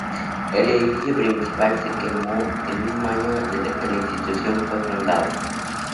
El edificio principal se quemó el mismo año que la institución fue fundado.